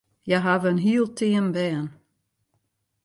Hja hawwe in hiel team bern.